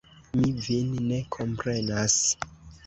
Mi vin ne komprenas.